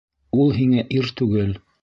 Ул һиңә ир түгел.